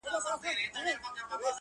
ستا په سترگو کي سندري پيدا کيږي.